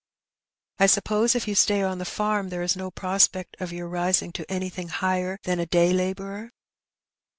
" I suppose if you stay on the farm there is no prospect of your rising to anything higher than a day labourer